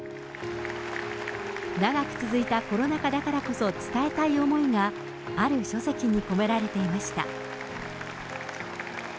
長く続いたコロナ禍だからこそ伝えたい思いが、ある書籍に込められていました。